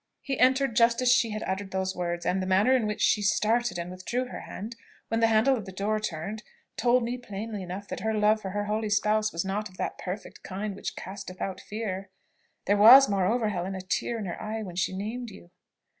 He entered just as she had uttered these words; and the manner in which she started, and withdrew her hand, when the handle of the door turned, told me plainly enough that her love for her holy spouse was not of that perfect kind which casteth out fear. There was, moreover, Helen, a tear in her eye when she named you."